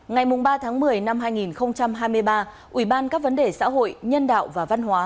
ngày ba tháng một mươi năm hai nghìn hai mươi ba ủy ban các vấn đề xã hội nhân đạo và văn hóa